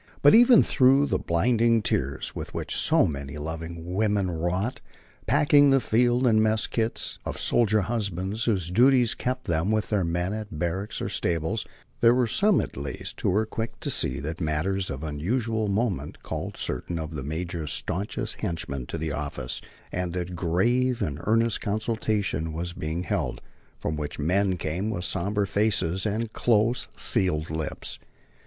But even through the blinding tears with which so many loving women wrought, packing the field and mess kits of soldier husbands whose duties kept them with their men at barracks or stables, there were some, at least, who were quick to see that matters of unusual moment called certain of the major's stanchest henchmen to the office, and that grave and earnest consultation was being held, from which men came with sombre faces and close sealed lips.